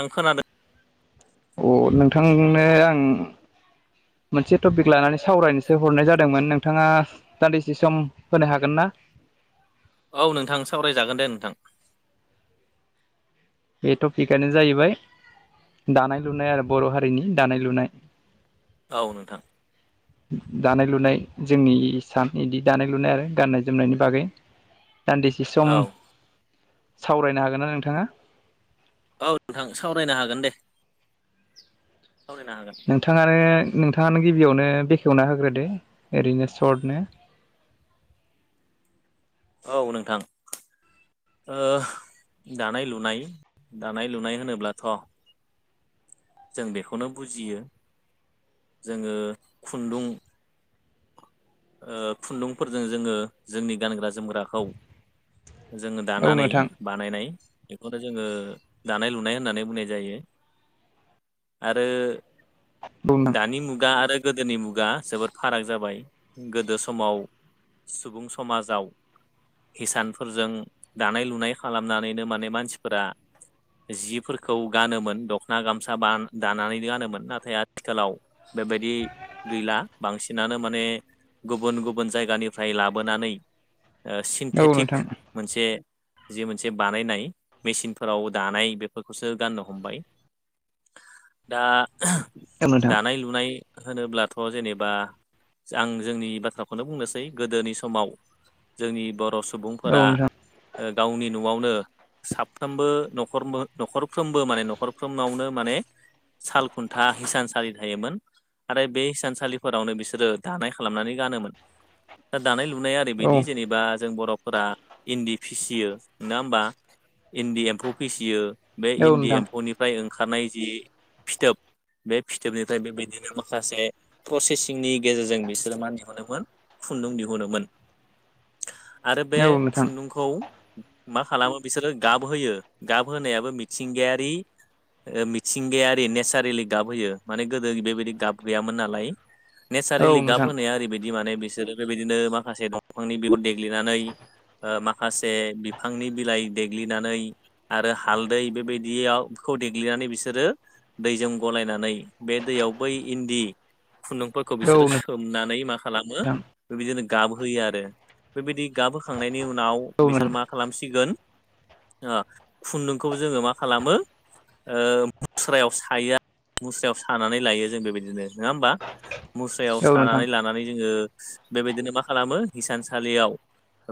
आं खोनादों अ नोंथांनो आं मोनसे टपिक लानानै सावरायनोसो हरनाय जादोंमोन नोंथाङा दान्दिसे सम होनो हागोनना औ नोंथां सावरायजागोन दे नोंथां बे टपिकआनो जाहैबाय दानाय लुनाय आरो बर' हारिनि दानाय लुनाय औ नोंथां दानाय लुनाय जोंनि सान इदि दानाय लुनाय आरो गाननाय जोमनायनि बागै दान्दिसे औ सम सावरायनो हागोन ना नोंथाङा औ नोंथां सावरायनो हागोन दे सावरायनो हागोन नोंथाङानो नोंथाङानो गिबियावनो बेखेवना होग्रोदो ओरैनो सर्टनो औ नोंथां ओ दानाय लुनाय दानाय लुनाय होनोब्लाथ' जों बेखौनो बुजियो जोङो खुन्दुं ओ खुन्दुंफोरजों जोङो जोंनि गानग्रा जोमग्राखौ जोङो औ दानानै नोंथां बानायनाय बेखौनो जोङो दानाय लुनाय होननानै बुंनाय जायो। आरो औ नोंथां दानि मुगा आरो गोदोनि मुगा जोबोद फाराग जाबाय गोदो समाव सुबुं समाजाव हिसानफोरजों दानाय लुनाय खालामनानैनो माने मानसिफोरा जिफोरखौ गानोमोन दख ना गामसा बान दानानै गानोमोन नाथाय आथिखालाव बेबायदि गैला बांसिनानो माने गुबुन गुबुन जायगानिफ्राय लाबोनानै औ सिन्थेटिक नोंथां मोनसे जि मोनसे बानायनाय मेसिनफोराव दानाय बेफोरखौसो गाननो हमबाय। दा औ दानाय लुनाय होनोब्लाथ' जेनेबा आं जोंनि बाथ्राखौनो बुंनोसै गोदोनि समाव जोंनि बर' सुबुंफोरा नोंथां गावनि न'आवनो साफ्रोमबो नख न'खरफ्रोमबो माने नखर फफ्रोमावनो माने साल खुन्था हिसानसालि थायोमोन। आरो बे हिसानसालिफोरावनो बिसोरो दानाय खालामनानै गानोमोन दा दानाय लुनाया औ नोंथां औ ओरैबायदि जेनेबा जों बर' फोरा इन्दि फिसियो नङा ओमबा इन्दि एम्फौ फिसियो बे इन्दि नोंथां एम्फौनिफ्राय ओंखारनाय जि फिथोब बे फिथोबनिफ्राय बेबायदिनो माखासे प्रसेसिंनि गेजेरजों बिसोरो मा दिहुनोमोन खुन्दुं दिहुनोमोन आरो बे औ नोंथां औ नोंथां खुन्दुंखौ मा खालामो बिसोरो गाबहोयो गाब होनायाबो मिथिंगायारि मिथिंगायारि नेचारेलि गाब होयो माने गोदो बेबायदि गाब गैयामोन नालाय औ नेचारेलि गाब होनाया ओरैबायदि माने बिसोरो बेबायदिनो माखासे दंफांनि बिहुर देग्लिनानै माखासे बिफांनि बिलाइ देग्लिनानै आरो हालदै बेबायदियाव खौ देग्लिनानै बिसोरो दैजों गलायनानै बे दैयाव बै इन्दि खुन्दुं फोरखौ बिसोरो नोंथां सोमनानै मा खालामो बेबायदिनो गाबहोयो आरो बेबायदि गाब होखांनायनि उनाव औ नोंथां बिसोर मा खालामसिगोन ओ खुन्दुंखौ जोङो मा खालामो ओ मुस्रायाव सायो [unintelligible] मुस्रायाव सानानै लायो जों बेबायदिनो नङा होमबा मुस्रायाव औ नोंथां सानानै लानानै जोङो बेबायदिनो मा खालामो हिसानसालियाव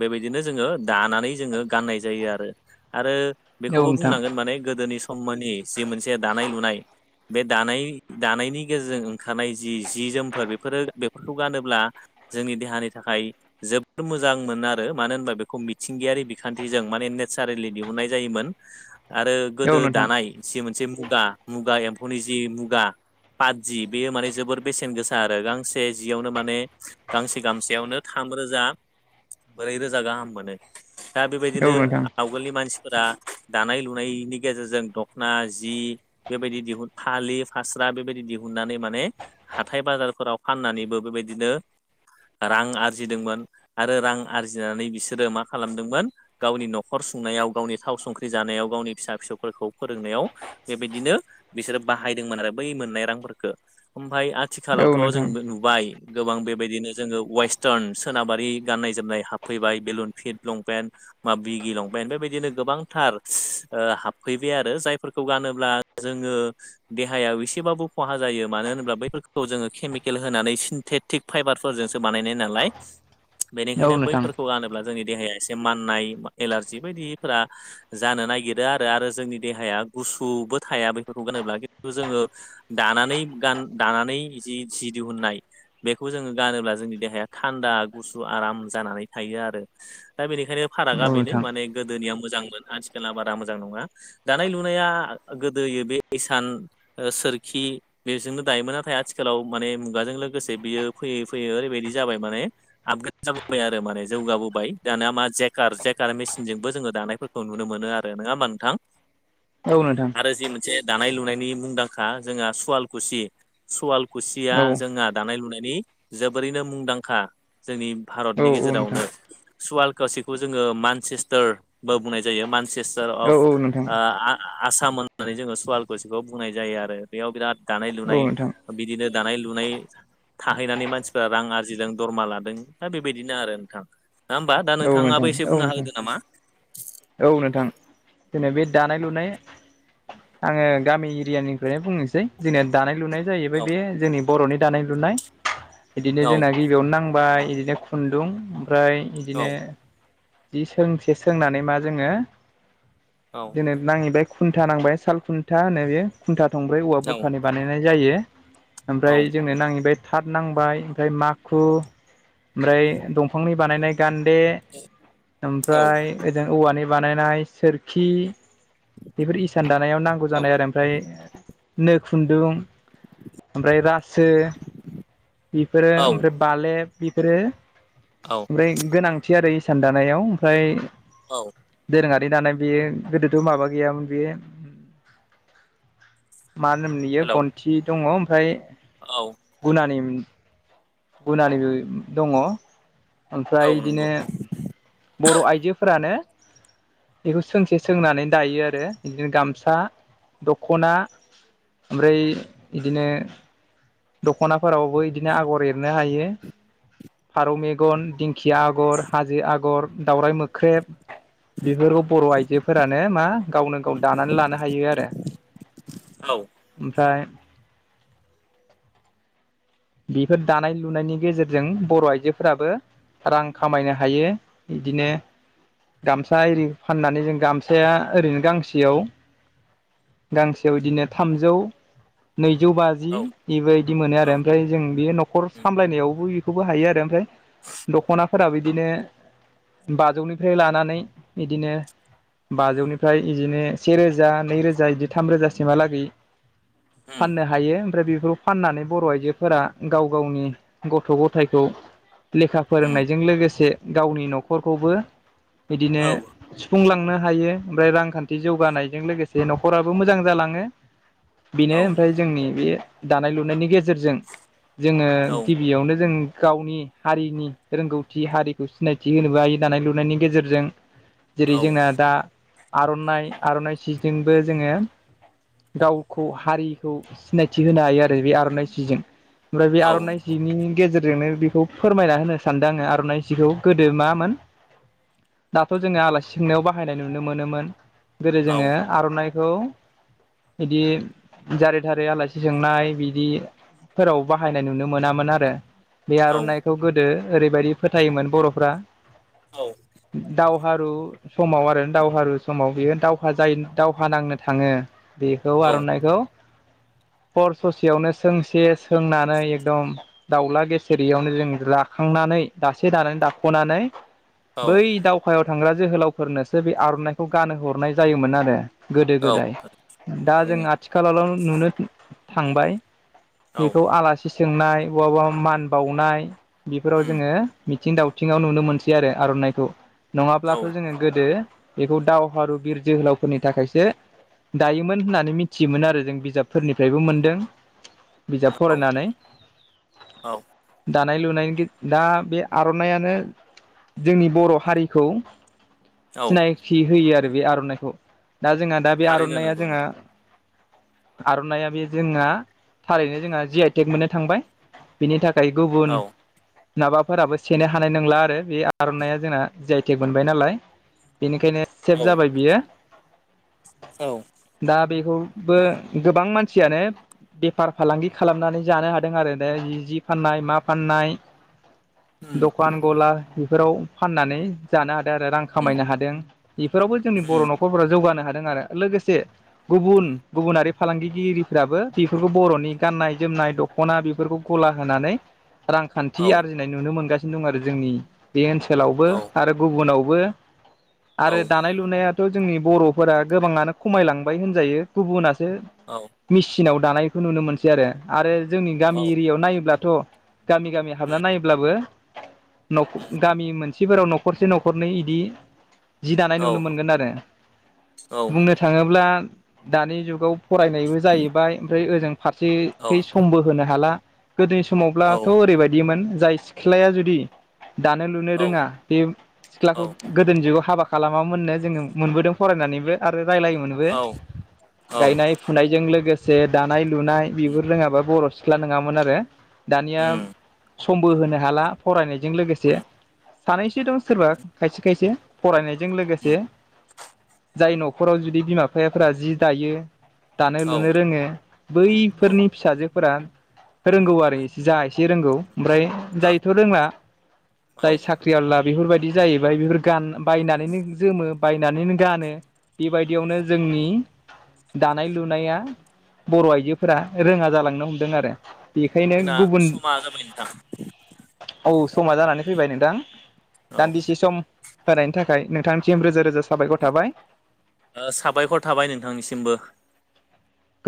बेबायदिनो जोङो दानानै जोङो गाननाय जायो आरो आरो औ बेखौबो नोंथां बुंनांगोन माने गोदोनि सममोननि जि मोनसे दानाय लुनाय बे दानाय दानायनि गेजेरजों ओंखारनाय जि जि जोमफोर बेफोरो बेफोरखौ गानोब्ला जोंनि देहानि थाखाय जोबोर मोजां मोनो आरो मानो होनबा बेखौ मिथिंगायारि बिखान्थिजों माने नेचारेलि दिहुननाय जायोमोन आरो औ गोदो नोंथां दानाय जि मोनसे मुगा मुगा एम्फौनि जि मुगा पात जि बेयो माने जोबोर गांसे गांसेयावनो थाम रोजा ब्रैरोजा गाहाम मोनो। दा औ बेबायदिनो नोंथां आगोलनि मानसिफोरा दानाय लुनायनि गेजेरजों दख'ना जि बेबायदि दिहुन फालि फास्रा बेबायदि दिहुननानै माने हाथाय बाजारफोराव फाननानैबो बेबायदिनो रां आरजिदोंमोन। आरो रां आरजिनानै बिसोरो मा खालामदोंमोन गावनि न'खर सुंनायाव गावनि थाव संख्रि जानायाव गावनि फिसा फिसौफोरखौ फोरोंनायाव बेबायदिनो बिसोरो बाहायदोंमोन आरो बै मोननाय रांफोरखौ ओमफ्राय औ आथिखालावथ' जों नोंथां नुबाय गोबां बेबायदिनो जोङो वेस्टार्न सोनाबारि गाननाय जोमनाय हाबफैबाय बेलुन फिट लंपेन्ट माब बिगि लंपेन्ट बेबायदिनो गोबांथार हाबफै बे आरो जायफोरखौ गानोब्ला जोङो देहायाव एसेबाबो खहा जायो मानो होनोब्ला बैफोरखौ जोङो केमिकेल होनानै सिन्थेट थिग फाइबारफोरजोंसो बानायनाय नालाय औ बेनिखायनो नोंथां बैफोरखौ गानोब्ला जोंनि देहाया एसे माननाय एलारजि बायदिफोरा जानो नागिरो आरो आरो जोंनि देहाया गुसुबो थाया बेफोरखौ गानोब्ला खिन्थु जोङो दानानै गान दानानै जि जि दिहुननाय बेखौ जोङो गानोब्ला जोंनि देहाया थान्दा गुसु आराम जानानै थायो आरो दा बेनिखायनो औ फारागा बेनो नोंथां माने गोदोनिया मोजांमोन आथिखला बारा मोजां नङा दानाय लुनाया गोदोयो बे इसान सोरखि बेजोंनो दायोमोन नाथाय आथिखालाव माने मुगाजों लोगोसे बियो फैयै फैयै ओरैबायदि जाबाय माने आपग्रेड जाबोबाय आरो माने जौगाबोबाय दानया मा जेक जेकार मेसिनजोंबो जोङो दानायफोरखौ खौ नुनो मोनो आरो नङा होमबा नोंथां। औ नोंथां आरो जि मोनसे दानाय-लुनायनि मुंदांखा जोंहा सुवालकुसि सवाल खुसिया औ जोंहा दानाय-लुनायनि जोबोरैनो मुंदांखा जोंनि औ भारतनि नोंथां गेजेरावनो सुवाल कावसिखौ जोङो मानसेस्टार बो बुंनाय जायो मानसेस्टार औ औ अफ नोंथां आ आ-आसामोन होननानै जोङो सवालखुसिखौ बुंनाय जायो आरो बेयाव बिराद औ दानाय-लुनाय नोंथां औ नोंथां बिदिनो दानाय लुनाय थाहैनानै मानसिफ्रा रां आरजिदों दरमा लादों दा बेबायदिनो आरो नोंथां ना होमबा औ नोंथाङाबो एसे बुंनो नोंथां हादो नामा औ नोंथां। दिनै बे दानाय लुनाय आङो गामि एरियानिफ्रायनो बुंनोसै जोंना दानाय-लुनाय जाहैबाय औ बे जोंनि बर'नि दानाय-लुनाय बिदिनो औ जोंना गिबियावनो नांबाय बिदिनो खुन्दुं ओमफ्राय औ बिदिनो जि सोंसे सोंनानै मा जोङो औ ना खुन्था नांबाय साल खुन्था होनो बेयो खुन्था थंब्रै औवा औ बुरखानि बानायनाय जायो औ ओमफ्राय जोंनो नांहैबाय थाथ नांबाय ओमफ्राय माखु ओमफ्राय दंफांनि बानायनाय गान्दे औ ओमफ्राय ओजों औवानि बानायनाय सोरखि बेफोर इसान दानायाव नांगौ जानाय आरो ओमफ्राय नो खुन्दुं ओमफ्राय रासो बेफोरो औ ओमफ्राय बालेब बेफोरो औ ओमफ्राय गोनांथि आरो इसान दानायाव ओमफ्राय औ दोरोंङारि दानाय बेयो गोदोथ' माबा गैयामोन बेयो मा होनोम नयो हेलौ गन्थि दंङ ओमफ्राय औ गुना गुनानिबो दंङ औ ओमफ्राय इदिनो नंगौ बर' आइजोफोरानो बेखौ सोंसे सोंनानै दायो आरो बिदिनो गामसा दख'ना ओमफ्राय बिदिनो दख'नाफोरावबो बिदिनो आगर एरनो हायो। फारौ मेगन, दिंखिया आगर हाजो आगर दावराय मोख्रेब बेफोरखौ बर' आइजोफोरानो मा गावनो गाव दानानै लानो हायो आरो औ ओमफ्राय बेफोर दानाय-लुनायनि गेजेरजों बर' आइजोफोराबो रां खामायनो हायो बिदिनो गामसा एरि फाननानै जों गामसाया ओरैनो गांसेयाव गांसेयाव बिदिनो थामजौ नैजौ बाजि औ बेबायबायदि मोनो आरो औ ओमफ्राय जों बेयो न'खर उम सामलायनायाव बो बेखौबो हायो आरो ओमफ्राय दख'नाफोरो बिदिनो बाजौनिफ्राय लानानै बिदिनो बाजौनिफ्राय बिदिनो से रोजा नैरोजा बिदि थाम रोजासिमहालागै उम फाननो हायो ओमफ्राय बेफोरखौ फाननानै बर' आइजो फोरा गाव गावनि गथ' गथायखौ लेखा उम फोरोंनायजों लोगोसे गावनि न'खरखौबो बिदिनो औ सुफुंलांनो हायो ओमफ्राय रांखान्थि जौगानायजों लोगोसे न'खराबो मोजां जालांङो बेनो औ ओमफ्राय जोंनि बे दानाय लुनायनि गेजेरजों जोंङो औ गिबियावनो जों गावनि हारिनि रोंगौथि हारिखौ सिनायथि होनोबो ह दानाय लुनायनि गेजेरजों जेरै औ जोंना दा आर'नाइ आर'नाइ सिजजोंबो जोंङो गावखौ हारिखौ सिनायथि होनो हायो आरो बे आर'नाइ सिजों ओमफ्राय बे आर'नाइ औ सिनि गेजेरजों जोंनो बेखौ फोरमायना होनो सानदों आंङो आर'नाइ जिखौ गोदो मामोन दाथ' जोंङो आलासि सोंनायाव बाहायनाय नुनो मोनोमोन गोदो जोंङो आर'नाइखौ बिदि जारै थारै आलासि सोंनाय बिदि फोराव बाहायनाय नुनो मोनामोन आरो बे औ आर'नाइखौ गोदो ओरैबायदि फोथायोमोन बर'फ्रा औ दावहारु समाव आरो दावहारु समाव बियो दावहा जायो दावहा नांनो थांङो बेखौ औ आर'नाइखौ पर ससेयावनो सोंसे सोंनानै एकदम दाउला गेसेेरयावनो जों राखांनानै दासे दानानै दाख'नानै बै औ दावखायाव थांग्रा जोहोलावफोरनोसो बे आर'नाइखौ गानो हरनाय जायोमोन आरो गोदो गोदाय दा जों थारैनो आथिखालल' नुनो थांबाय औ बेखौ आलासि सोंनाय बहाबाा मान बावनाय बेफोराव उम जोंङो मिथिं दावथिंआव नुनो मोनसै आरो आर'नाइखौ औ नङाब्लाथ' जोङो। गोदो बेखौ दावहारु बिर जोहोलावफोरनि थाखायसो। दायोमोन होननानै मिथियोमोन आरो जों बिजाबफोरनिफ्रायबो मोनदों। बिजाब औ फरायनानै। औ दानाय लुनायनि दा बे आर'नाइआनो जोंनि बर' हारिखौ। औ सिनायथि होयो आरो बे आर'नाइखौ दा जोंहा दा बे थारैनो आर'नाइया नंगौ जोंहा। आर'नाइआ बे जोंआ। थारैनो जोंहा जि आइ टेक मोननो थांबाय बिनि थाखाय नोंथां औ गुबुन। माबाफोराबो सेनो हानाय नंला आरो बे आर'नायइआ जोंना जि आइ थेग मोनबाय नालाय। बेनिखायनो औ सेभ जाबाय बियो। औ दा बेखौबो गोबां मानसियानो। फार फालांगि खालामनानै जानो हादों आरो ने जि फाननाय मा फाननाय। उम दखान गला बेफोराव फाननानै। जानो हादों आरो रां उम खामायनो हादों बेफोरावबो जोंनि बर' उम न'खरफोरा जौगानो हादों आरो लोगोसे गुबुन गुबुनारि फालांगिगिरिफ्राबो बे। बेफोरखौ बर'नि गाननाय जोमनाय दख'ना बेफोरखौ गला होनानै रांखान्थि औ आरजि। नाय नुनो मोनगासिनो दं आरो जोंनि बे ओनसोलावबो औ आरो गुबुनावबो। औ आरो दानाय लुनायाथ' जोंनि बर'फोरा गोबाङानो खमायलांबाय होनजायो गुबुनासो। औ मेचिनाव दानायखौ नुनो मोनसै आरो आरो जोंनि औ गामि एरियायाव नायोब्लाथ'। गामि गामि हाबना नायोब्लाबो नख गामि मोनसेफोराव न'खरसे न'खरनै इदि जि दानाय औ नुनो मोनगोन आरो बुंनो थाङोब्ला दानि जुगाव। फरायनायबो जाहैबाय ओमफ्राय ओजों औ फारसेखै समबो होनो हाला। गोदोनि समावब्लाथ' ओरैबायदिमोन जाय सिख्लाया जुदि। दानो लुनो रोङा बे सिख्लाखौ। गोदोनि जुगाव हाबा खालामामोननो जोङो मोनबोदों फरायनानैबो आरो रायज्लायोमोनबो। औ औ बो गायनाय फुनायजों लोगोसे दानाय लुनाय उम बेबो रोङाबा बर'। सिख्ला नङामोन आरो दानिया उम समबो होनो हाला फरायनायजों लोगोसे। उम सानैसो दं सोरबा खायसे खायसे फरायनायजों लोगोसे। उम जाय न'खराव जुदि बिमा बिफायाफोरा जि दायो दानो लुनो। औ जोङो औ ओ बैफोरनि फिसाजोफोरा फोरोंगौ आरो जाय। एसे रोंगौ ओमफ्राय जायथ' रोंला जाय औ साख्रिआवला। बेफोरबायदि जाहैबाय बेफोर गान बायनानैनो जोमो बायनानैनो गानो बेबायदियावनो जोंनि दानाय लुनाया। बर' आइजोफोरा रोङा जालांनो हमदों आरो बेखायनो जोंना गुबुन समा जाबाय नोंथां औ समा जानानै फैबाय नोंथां औ ओ दान्दिसे सम। होनायनि थाखाय नोंथांनिसिम रोजा रोजा साबायखर थाबाय। ओ साबायखर थाबाय नोंथांनिसिमबो।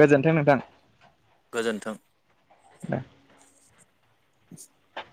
गोजोन्थों नोंथां। गोजोन्थों। [inaudible]